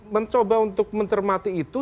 mencoba untuk mencermati itu